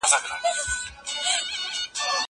زه به مېوې خوړلې وي!؟